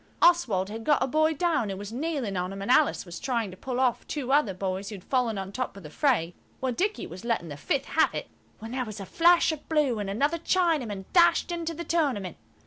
Oswald had got a boy down, and was kneeling on him, and Alice was trying to pull off two other boys who had fallen on top of the fray, while Dicky was letting the fifth have it, when there was a flash of blue and another Chinaman dashed into the tournament.